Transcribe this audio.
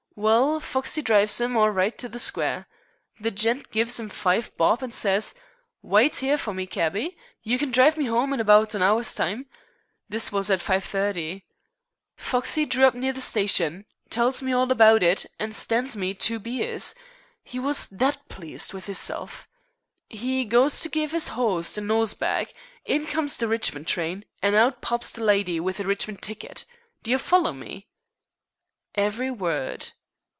Well, Foxey drives 'im all right to the Square. The gent gives 'im five bob and says: 'Wite 'ere for me, cabby. You can drive me 'ome in about an hour's time.' This was at 5.30. Foxey drew up near the stytion, tells me all about it, an' stan's me two beers, 'e was that pleased with 'isself. 'E goes to give 'is 'oss the nose bag, in comes the Richmond train, and out pops the lydy with the Richmond ticket. D'ye follow me?" "Every word."